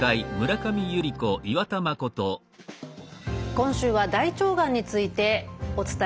今週は大腸がんについてお伝えしています。